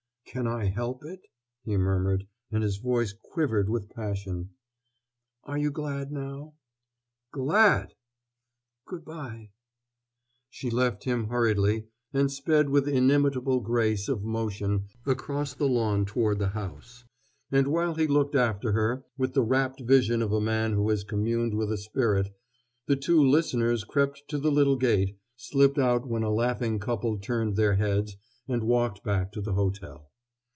"Can I help it?" he murmured, and his voice quivered with passion. "Are you glad now?" "Glad!" "Good by." She left him hurriedly and sped with inimitable grace of motion across the lawn toward the house, and, while he looked after her, with the rapt vision of a man who has communed with a spirit, the two listeners crept to the little gate, slipped out when a laughing couple turned their heads, and walked back to the hotel.